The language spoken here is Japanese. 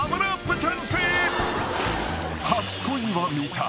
初恋は見た！